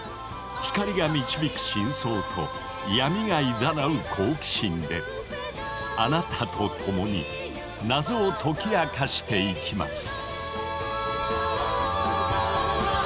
光が導く真相と闇が誘う好奇心であなたと共に謎を解き明かしていきます。